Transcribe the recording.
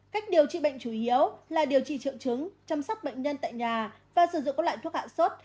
cách điều trị bệnh chủ yếu là điều trị triệu chứng chăm sóc bệnh nhân tại nhà và sử dụng các loại thuốc hạ sốt